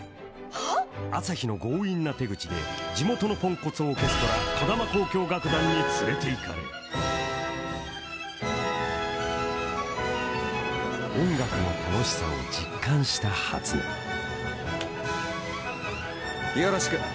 はぁ⁉朝陽の強引な手口で地元のポンコツオーケストラ児玉交響楽団に連れて行かれよろしく。